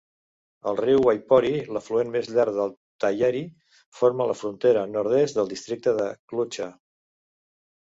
El riu Waipori, l'afluent més llarg de Taieri, forma la frontera nord-est del districte de Clutha.